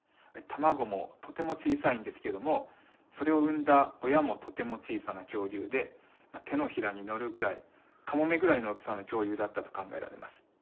卵もとても小さいんですけどもそれを産んだ親もとても小さな恐竜で手のひらに乗るぐらいカモメぐらいの大きさの恐竜だったと考えられます。